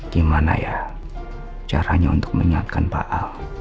gimana ya caranya untuk menyatakan paal